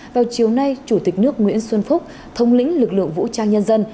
vào chiều nay chủ tịch nước nguyễn xuân phúc thống lĩnh lực lượng vũ trang nhân dân